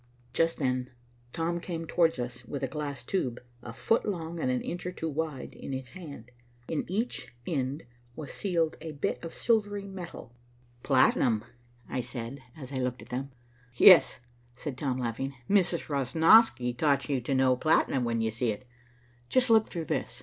Just then Tom came towards us with a glass tube, a foot long and an inch or two wide, in his hand. In each end was sealed a bit of silvery metal. "Platinum," I said, as I looked at them. "Yes," said Tom laughing, "Mrs. Rosnosky taught you to know platinum when you see it. Just look through this."